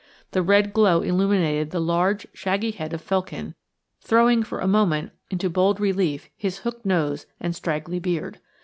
The red glow illumined the large, shaggy head of Felkin, throwing for a moment into bold relief his hooked nose and straggly beard.